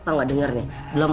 kamu gak denger nih